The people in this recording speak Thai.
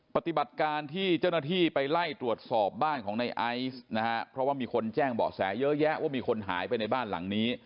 ปฏิบัติการที่เจ้าหน้าที่ไปไล่ตรวจสอบบ้านของในไอซ์นะฮะเพราะว่ามีคนแจ้งเบาะแสเยอะแยะว่ามีคนหายไปในบ้านหลังนี้